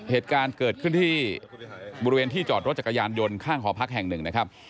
เหตุการณ์เกิดขึ้นที่บริเวณที่จอดรถจักรยานยนต์ข้างหอพักแห่งหนึ่งนะครับ